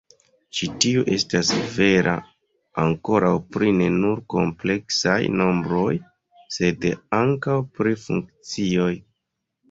Ĉi tiu estas vera ankoraŭ pri ne nur kompleksaj nombroj, sed ankaŭ pri funkcioj.